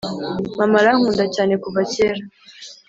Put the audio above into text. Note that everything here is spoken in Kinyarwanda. mama arankunda cyane kuva kera